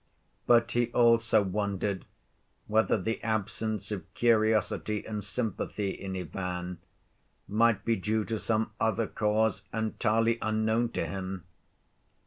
But he also wondered whether the absence of curiosity and sympathy in Ivan might be due to some other cause entirely unknown to him.